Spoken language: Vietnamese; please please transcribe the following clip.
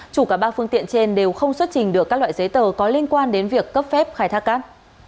chủ cả ba phương tiện trên đều không xuất trình được các loại giấy tờ có liên quan đến việc cấp phép khai thác cát